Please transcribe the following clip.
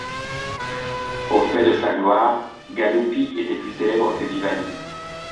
Au faîte de sa gloire, Galuppi était plus célèbre que Vivaldi.